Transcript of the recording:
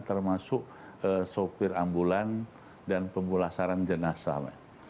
termasuk sopir ambulan dan pemulasaran jenazah pak